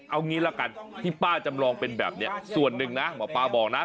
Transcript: เอางี้ละกันที่ป้าจำลองเป็นแบบนี้ส่วนหนึ่งนะหมอปลาบอกนะ